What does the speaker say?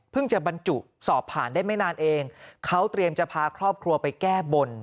จะบรรจุสอบผ่านได้ไม่นานเองเขาเตรียมจะพาครอบครัวไปแก้บน